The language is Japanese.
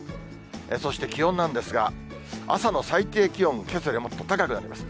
そして気温なんですが、朝の最低気温、けさよりも高くなります。